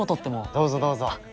どうぞどうぞ。